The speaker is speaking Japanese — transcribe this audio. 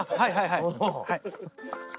はい。